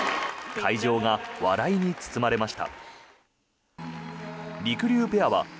会場が笑いに包まれました。